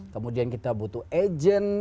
kemudian kita butuh agent